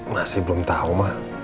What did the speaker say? masih belum tau mah